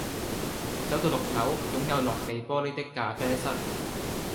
走到六樓擁有落地玻璃的咖啡室